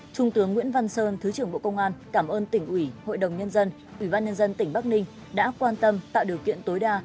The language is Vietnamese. trung tướng nguyễn văn sơn thứ trưởng bộ công an cảm ơn tỉnh ủy hội đồng nhân dân ủy ban nhân dân tỉnh bắc ninh đã quan tâm tạo điều kiện tối đa